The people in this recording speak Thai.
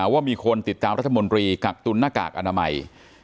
ว่ามีคนติดตามรัฐบะรมนิกับตุ๋นนจะก่ออนามาอี